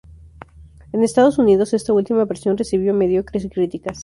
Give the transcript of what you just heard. En Estados Unidos esta última versión recibió mediocres críticas.